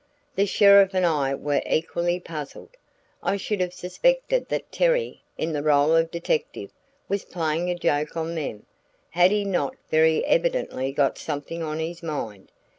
The sheriff and I were equally puzzled. I should have suspected that Terry, in the rôle of detective, was playing a joke on them, had he not very evidently got something on his mind.